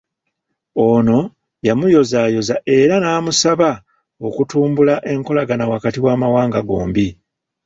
Ono yamuyozaayoza era namusaba okutumbula enkolagana wakati w'amawanga gombi.